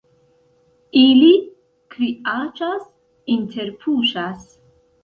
Ili kriaĉas, interpuŝas.